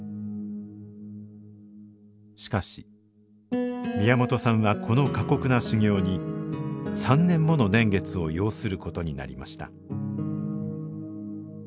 しかし宮本さんはこの過酷な修行に３年もの年月を要することになりました